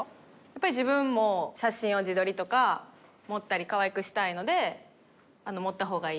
やっぱり自分も写真を自撮りとか盛ったりかわいくしたいので。